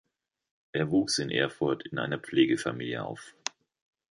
Er wuchs in Erfurt in einer Pflegefamilie auf.